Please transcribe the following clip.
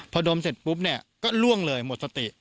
พอดมเสร็จปุ๊บเนี่ยก็ล่วงเลยหมดสติ